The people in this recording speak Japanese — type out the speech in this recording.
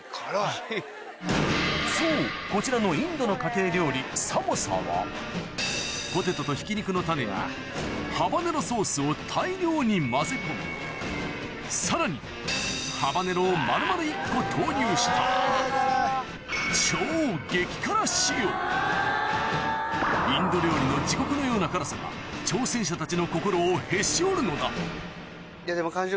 そうこちらのインドの家庭料理サモサはポテトとひき肉のタネにハバネロソースを大量に混ぜ込みさらにハバネロを丸々１個投入した超激辛仕様インド料理の地獄のような辛さが挑戦者たちのいやでも。